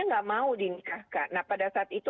nggak mau di nikahkan nah pada saat itu